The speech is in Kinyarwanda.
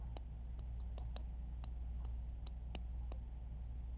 agomba gutegeka ari umwami kugeza kundunduro